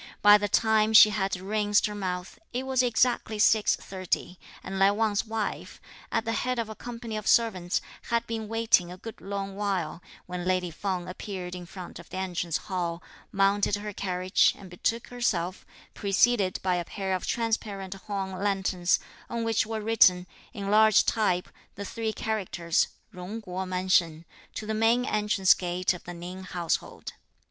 By the time she had rinsed her mouth, it was exactly 6.30; and Lai Wang's wife, at the head of a company of servants, had been waiting a good long while, when lady Feng appeared in front of the Entrance Hall, mounted her carriage and betook herself, preceded by a pair of transparent horn lanterns, on which were written, in large type, the three characters, Jung Kuo mansion, to the main entrance gate of the Ning Household.